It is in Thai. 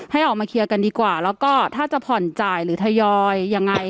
ให้ออกมาเคลียร์กันดีกว่าแล้วก็ถ้าจะผ่อนจ่ายหรือทยอยยังไง